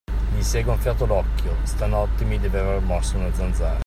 Mi si è gonfiato l'occhio, stanotte mi deve aver morso una zanzara.